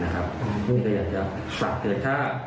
ถ้าเครื่องนี้ถ้าทางเบิร์ดหรือว่าทางผู้จ่ายติดต่อมา